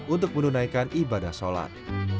untuk menunaikan ibadah sholat